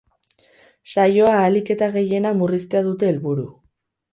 Saioa ahalik eta gehiena murriztea dute helburu.